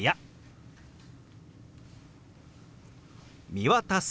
「見渡す」。